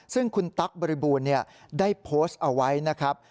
ซึ่งคุณตั๊กบริบูรณ์ได้โพสต์เอาไว้นะครับ